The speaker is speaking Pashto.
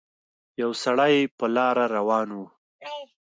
يو سړی په لاره روان وو